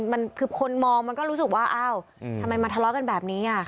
มันคือคนมองมันก็รู้สึกว่าอ้าวทำไมมาทะเลาะกันแบบนี้